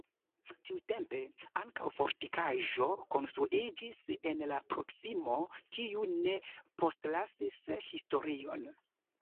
Tiutempe ankaŭ fortikaĵo konstruiĝis en la proksimo, kiu ne postlasis historion.